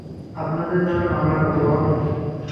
আপনাদের নামে মামলা করব আমি।